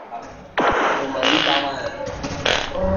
Nork eramango du aurtengo txapela?